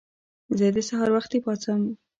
زه د سهار وختي پاڅم.